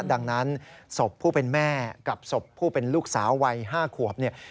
ดังนั้นศพผู้เป็นแม่กับศพผู้เป็นลูกสาววัย๕ขวบเนี่ย